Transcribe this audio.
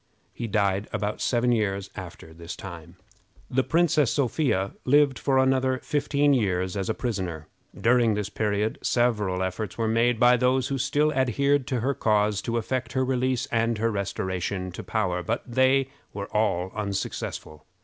He died about seven years after this time. The Princess Sophia lived for fifteen years a prisoner. During this period several efforts were made by those who still adhered to her cause to effect her release and her restoration to power, but they were all unsuccessful.